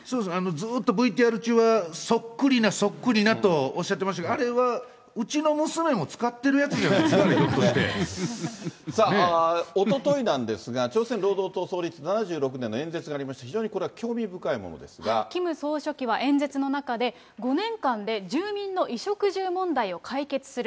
ずっとＶＴＲ中はそっくりなそっくりなとおっしゃってましたけど、あれはうちの娘も使ってるやつじゃないですかね、おとといなんですが、朝鮮労働党創立７６年の演説がありまして、キム総書記は演説の中で、５年間で住民の衣食住問題を解決する。